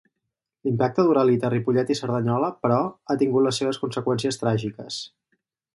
L'impacte d'Uralita a Ripollet i Cerdanyola, però, ha tingut les seves conseqüències tràgiques.